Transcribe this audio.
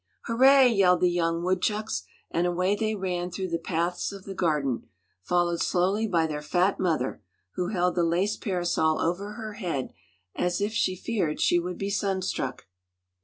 "Hooray!" yelled the young woodchucks, and away they ran through the paths of the garden, followed slowly by their fat mother, who held the lace parasol over her head as if she feared she would be sunstruck.